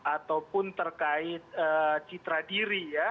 ataupun terkait citra diri ya